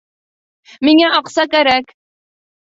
Миңә аҡса кәрәк!